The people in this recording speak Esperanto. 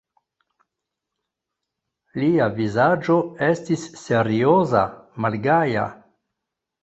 Lia vizaĝo estis serioza, malgaja.